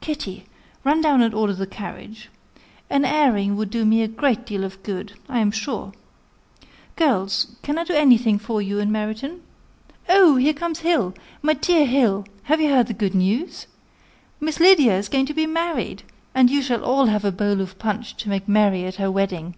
Kitty, run down and order the carriage. An airing would do me a great deal of good, I am sure. Girls, can I do anything for you in Meryton? Oh! here comes Hill. My dear Hill, have you heard the good news? Miss Lydia is going to be married; and you shall all have a bowl of punch to make merry at her wedding."